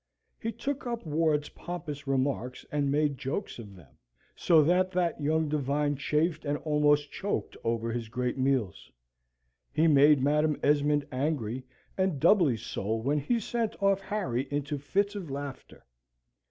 He took up Ward's pompous remarks and made jokes of them, so that that young divine chafed and almost choked over his great meals. He made Madam Esmond angry, and doubly so when he sent off Harry into fits of laughter.